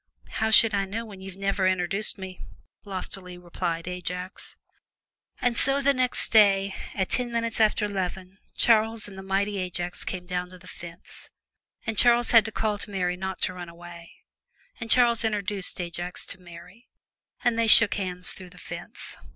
"How should I know when you have never introduced me!" loftily replied Ajax. And so the next day, at ten minutes after 'leven, Charles and the mighty Ajax came down to the fence, and Charles had to call to Mary not to run away, and Charles introduced Ajax to Mary and they shook hands through the fence.